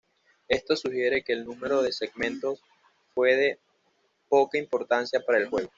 Esto sugiere que el número de segmentos fue de poca importancia para el juego.